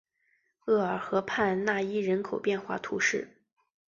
厄尔河畔讷伊人口变化图示